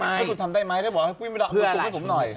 ถ้าคุณทำได้ไหมได้บอกให้พี่มดนามกุมไว้ผมหน่อย